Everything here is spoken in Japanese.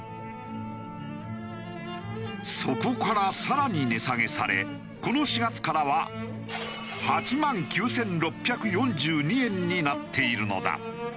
そこから更に値下げされこの４月からは８万９６４２円になっているのだ。